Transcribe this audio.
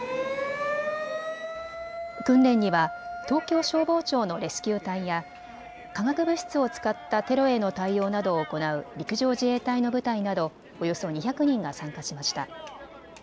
訓練には東京消防庁のレスキュー隊や化学物質を使ったテロへの対応などを行う陸上自衛隊の部隊などおよそ２００人が参加しました。